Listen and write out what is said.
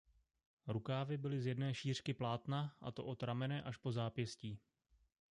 Rukávy byly z jedné šířky plátna a to od ramene až po zápěstí.